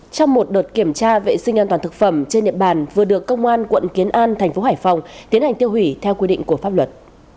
trong một đợt kiểm tra vệ sinh an toàn thực phẩm trên địa bàn vừa được công an quận kiến an thành phố hải phòng tiến hành tiêu hủy theo quy định của pháp luật